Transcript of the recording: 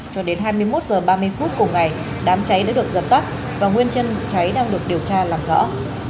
cho đến hai mươi một h ba mươi phút cùng ngày đám cháy đã được dập tắt và nguyên nhân cháy đang được điều tra làm rõ